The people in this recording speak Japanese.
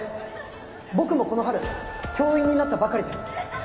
僕もこの春教員になったばかりです。